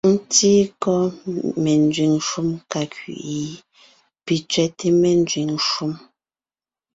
Ńtíí kɔ́ menzẅìŋ shúm ka kẅí’i ? Pì tsẅɛ́té ménzẅìŋ shúm.